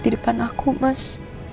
di depan aku mas